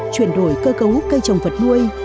chuyển đổi cơ cấu cây trồng vật nuôi